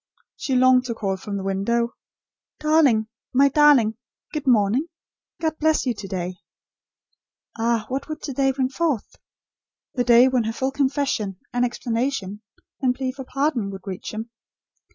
She longed to call from the window; "Darling my Darling! Good morning! God bless you to day." Ah what would to day bring forth; the day when her full confession, and explanation, and plea for pardon, would reach him?